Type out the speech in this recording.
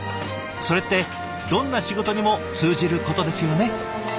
それってどんな仕事にも通じることですよね。